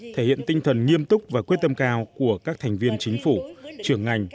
thể hiện tinh thần nghiêm túc và quyết tâm cao của các thành viên chính phủ trưởng ngành